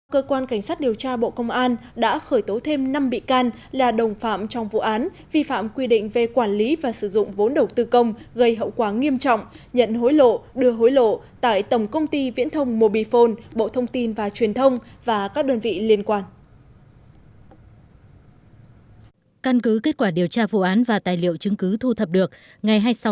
cơ quan cảnh sát điều tra bộ công an đã khởi tố thêm năm bị can là đồng phạm trong vụ án vi phạm quy định về quản lý và sử dụng vốn đầu tư công gây hậu quả nghiêm trọng nhận hối lộ đưa hối lộ tại tổng công ty viễn thông mobifone bộ thông tin và truyền thông và các đơn vị liên quan